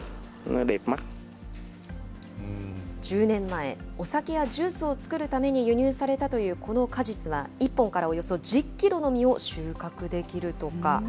１０年前、お酒やジュースを作るために輸入されたというこの果実は、１本からおよそ１０キロの実を収穫できるとか。